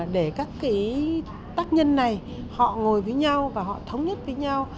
để các tác nhân này họ ngồi với nhau và họ thống nhất với nhau